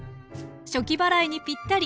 暑気払いにぴったり。